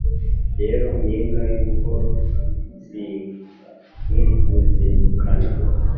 Rero Mpinga y'ubuhoro sinkiwuzindukana